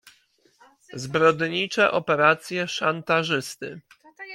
"Zbrodnicze operacje szantażysty."